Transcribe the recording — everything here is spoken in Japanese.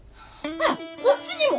あらこっちにも！